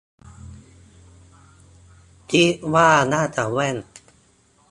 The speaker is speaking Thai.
คิดว่าน่าจะแว่น